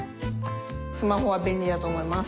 スマホは便利だと思います。